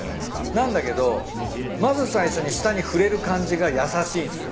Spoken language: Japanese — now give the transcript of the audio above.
なんだけどまず最初に舌に触れる感じが優しいんすよ。